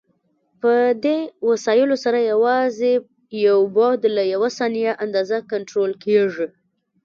په دې وسایلو سره یوازې یو بعد یا یوه ثابته اندازه کنټرول کېږي.